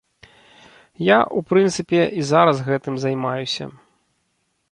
Я, у прынцыпе, і зараз гэтым займаюся.